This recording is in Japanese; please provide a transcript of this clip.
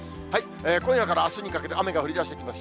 今夜からあすにかけて雨が降りだしてきます。